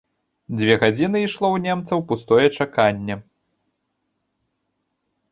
Дзве гадзіны ішло ў немцаў пустое чаканне.